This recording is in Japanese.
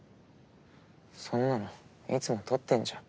そんなのいつも撮ってんじゃん。